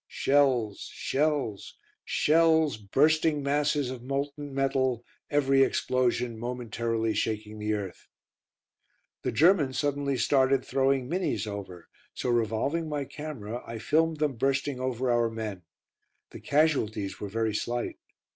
Shells shells shells bursting masses of molten metal, every explosion momentarily shaking the earth. The Germans suddenly started throwing "Minnies" over, so revolving my camera, I filmed them bursting over our men. The casualties were very slight.